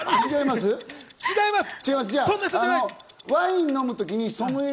違います。